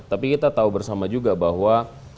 tapi kita tahu bersama juga bahwa